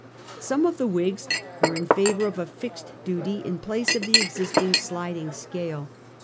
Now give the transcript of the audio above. Some of the Whigs were in favour of a fixed duty in place of the existing sliding scale.